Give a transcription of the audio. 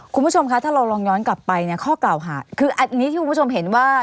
คุณผู้ชมคะถ้าเราลองย้อนกลับไปเนี่ยข้อกล่าวหาคืออันนี้ที่คุณผู้ชมเห็นว่า